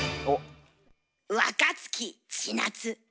若槻千夏。